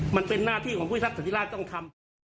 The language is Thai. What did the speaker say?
มันเป็นหน้าที่ของพุทธศัตริย์ล่างต้องทำ